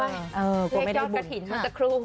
เออกลัวไม่ได้บุญ